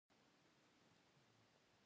امیبا د پروټوزوا مثال دی